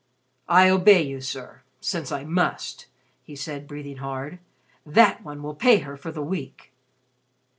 "I obey you, sir since I must " he said, breathing hard. "That one will pay her for the week."